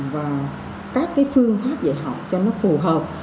và các cái phương pháp dạy học cho nó phù hợp